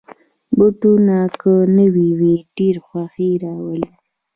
بوټونه که نوې وي، ډېر خوښي راولي.